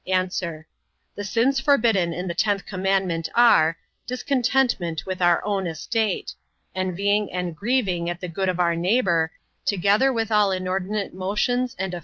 A. The sins forbidden in the tenth commandment are, discontentment with our own estate; envying and grieving at the good of our neighbor, together with all inordinate motions and affections to anything that is his.